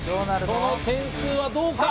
その点数はどうか？